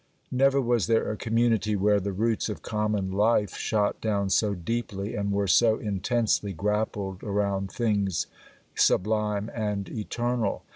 Never was there a community where the roots of common life shot down so deeply, and were so intensely grappled around things sublime and eternal.